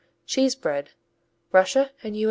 Cheese bread _Russia and U.